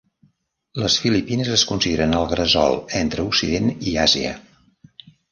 Les Filipines es consideren el gresol entre occident i Àsia.